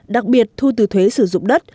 đặc biệt thu từ thuế sử dụng đất